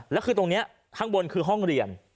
แล้วคือตรงนี้ข้างบนคือห้องเรียน